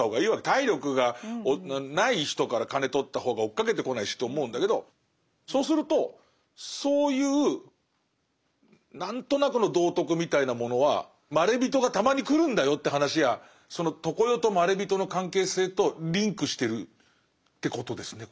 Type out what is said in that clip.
体力がない人から金とった方が追っかけてこないしと思うんだけどそうするとそういう何となくの道徳みたいなものはまれびとがたまに来るんだよって話やその常世とまれびとの関係性とリンクしてるってことですね